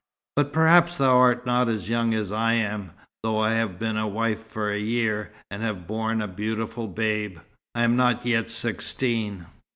But perhaps thou art not as young as I am, though I have been a wife for a year, and have borne a beautiful babe. I am not yet sixteen."